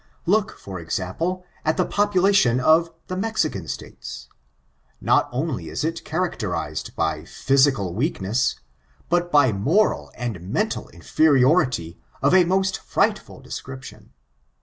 Look, for example, at the population of the Mex ican states. Not only is it characterized by physical weakness, but by moral and menial inferiority of a most frightful description.